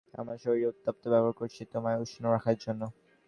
আমার শরীরের উত্তাপ ব্যবহার করছি তোমায় উষ্ণ রাখার জন্য!